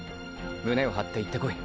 胸を張って行ってこい！！